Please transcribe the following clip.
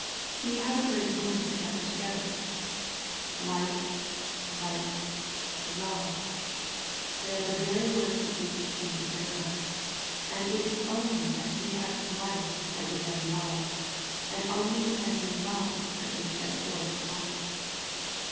See how the great words gather together. Life, light, love. They are the very words that Jesus came to bring us, and it is only as we have life that we love, and only as we love that we shed forth light.